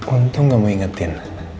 untung gak mau ingetin